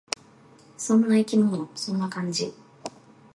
そんな生き物。そんな感じ。